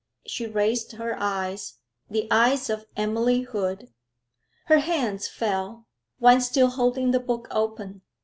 She raised her eyes, the eyes of Emily Hood. Her hands fell, one still holding the book open.